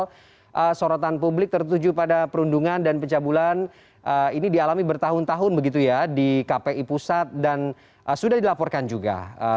kalau sorotan publik tertuju pada perundungan dan pencabulan ini dialami bertahun tahun begitu ya di kpi pusat dan sudah dilaporkan juga